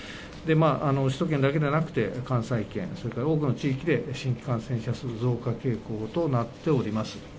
首都圏だけではなくて、関西圏、それから多くの地域で新規感染者数増加傾向となっております。